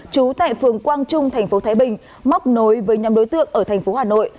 trú tại phường quang trung thành phố thái bình móc nối với nhóm đối tượng ở thành phố hà nội